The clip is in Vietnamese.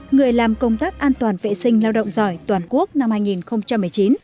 người làm công tác an toàn vệ sinh lao động giỏi toàn quốc năm hai nghìn một mươi chín